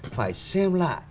phải xem lại